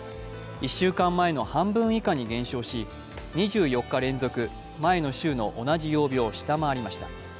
１週間前の半分以下に減少し、２４日連続、前の週の同じ曜日を下回りました。